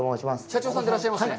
社長さんでいらっしゃいますね？